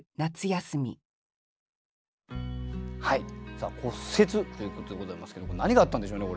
さあ「骨折」ということでございますけど何があったんでしょうね